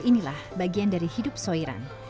inilah bagian dari hidup soiran